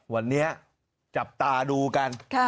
วันนี้จับตาดูกัน